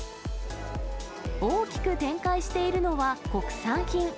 大きく展開しているのは、国産品。